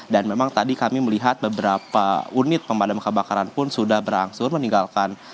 dan memang tadi kami melihat beberapa unit pemadam kebakaran pun sudah berangsur meninggalkan